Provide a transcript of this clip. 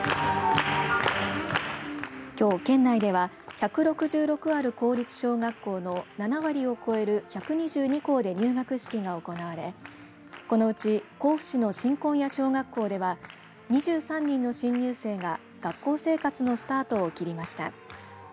きょう県内では１６６ある公立小学校の７割を超える１２２校で入学式が行われこのうち、甲府市の新紺屋小学校では２３人の新入生が学校生活のスタートを切りました。